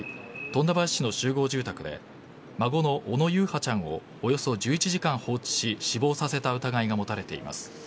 富田林市の集合住宅で孫の小野優陽ちゃんをおよそ１１時間放置し死亡させた疑いが持たれています。